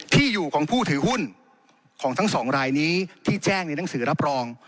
ที่อยู่ของผู้ถือหุ้นของทั้งสองรายนี้ที่แจ้งในหนังสือรับรอง